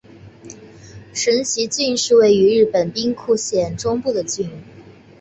神崎郡是位于日本兵库县中部的郡。